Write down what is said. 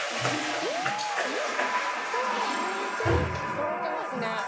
とろけますね。